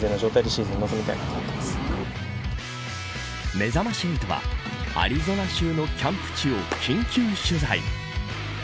めざまし８はアリゾナ州のキャンプ地を緊急取材。